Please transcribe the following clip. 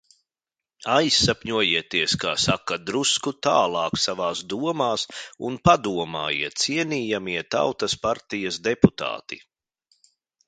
Aizsapņojieties, kā saka, drusku tālāk savās domās un padomājiet, cienījamie Tautas partijas deputāti!